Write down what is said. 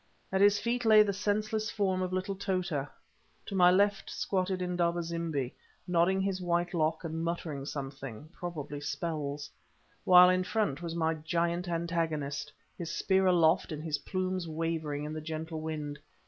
At his feet lay the senseless form of little Tota, to my left squatted Indaba zimbi, nodding his white lock and muttering something—probably spells; while in front was my giant antagonist, his spear aloft and his plumes wavering in the gentle wind.